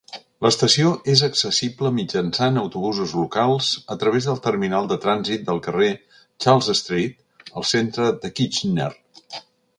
L'estació és accessible mitjançant autobusos locals a través del terminal de trànsit del carrer Charles Street, al centre de Kitchener.